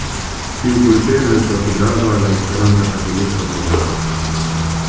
Tiu bulteno estas grava al la Esperanta Katolika Movado.